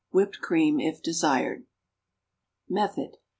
Whipped cream, if desired. _Method.